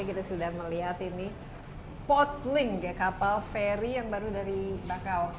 kita sudah melihat ini portlink ya kapal ferry yang baru dari bakau